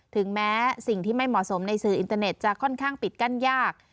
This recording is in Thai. ถึงแม้สิ่งที่ไม่เหมาะสมในสื่ออินเตอร์เน็ตจะค่อนข้างปิดกั้นยาก